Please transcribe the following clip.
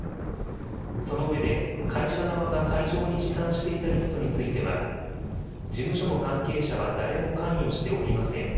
その上で、会社側が会場に持参していたリストについては、事務所の関係者は誰も関与しておりません。